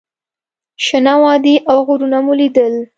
شنه وادي او غرونه مو لیدل.